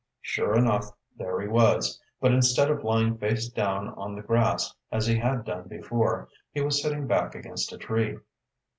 Sure enough, there he was, but instead of lying face down on the grass, as he had done before, he was sitting back against a tree.